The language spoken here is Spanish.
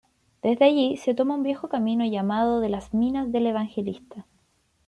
Desde allí se toma un viejo camino llamado de las minas del Evangelista.